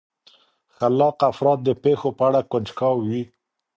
خلاق افراد د پېښو په اړه کنجکاو وي.